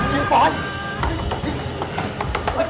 จัดเต็มให้เลย